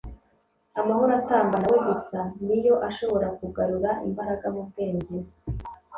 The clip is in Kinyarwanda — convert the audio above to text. Amahoro atangwa nawe gusa ni yo ashobora kugarura imbaraga mu bwenge,